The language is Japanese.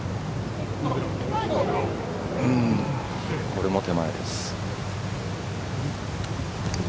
これも手前です。